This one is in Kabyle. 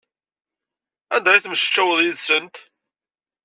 Anda ay temmectcaweḍ yid-sent?